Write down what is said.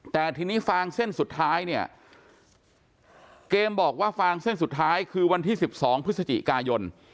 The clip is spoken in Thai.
แต่ทีนี้ฟางเส้นสุดท้ายเนี่ยเกมบอกว่าฟางเส้นสุดท้ายคือวันที่๑๒พฤศจิกายน